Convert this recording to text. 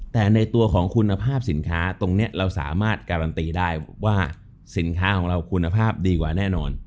แต่ในตัวของคุณภาพสินค้าตรงนี้เราสามารถการันตีได้ว่าสินค้าของเราคุณภาพดีกว่าแน่นอน